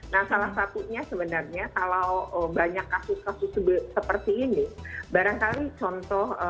nah salah satunya sebenarnya kalau banyak kasus kasus seperti ini barangkali contoh